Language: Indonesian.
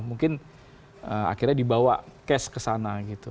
mungkin akhirnya dibawa cash ke sana gitu